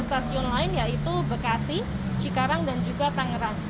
stasiun lain yaitu bekasi cikarang dan juga tangerang